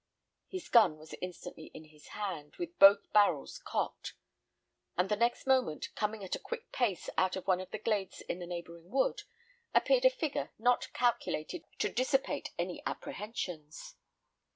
His gun was instantly in his hand, with both barrels cocked; and the next moment, coming at a quick pace out of one of the glades in the neighbouring wood, appeared a figure not calculated to dissipate any apprehensions.